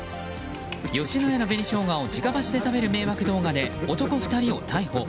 吉野家の紅ショウガを直箸で食べる迷惑動画で男２人を逮捕。